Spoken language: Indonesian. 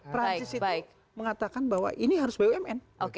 perancis itu mengatakan bahwa ini harus bumn